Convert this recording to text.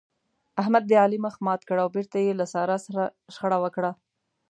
احمد د علي مخ مات کړ او بېرته يې له سارا سره شخړه وکړه.